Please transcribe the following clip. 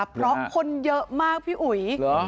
เพราะคนเยอะมากพี่อุ๋ย